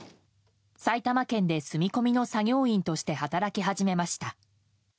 埼玉県で住み込みの作業員として働き始めました。